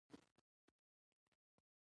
کابل د افغانستان د ټولو شنو سیمو یوه ښکلا ده.